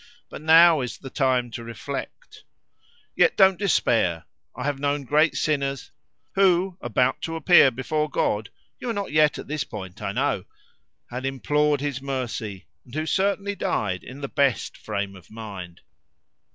But now is the time to reflect. Yet don't despair. I have known great sinners, who, about to appear before God (you are not yet at this point I know), had implored His mercy, and who certainly died in the best frame of mind.